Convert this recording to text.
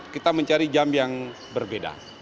kita mencari jam yang berbeda